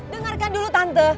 dengarkan dulu tante